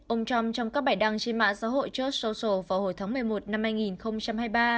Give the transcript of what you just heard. ông trump trong các bài đăng trên mạng xã hội charles social vào hồi tháng một mươi một năm hai nghìn hai mươi ba